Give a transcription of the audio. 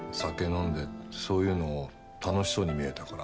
そういうの楽しそうに見えたから。